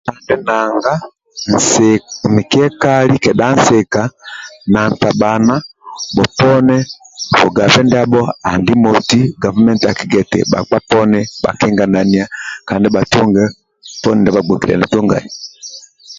Nanga nsi mikie kali kedha nsika na ntabhana bhoponi bugabe ndiabho andi moti gavumenti akigia eti bhakpa poni bhakinganania kandi bhatunge poni ndia bhagbokiliani tungai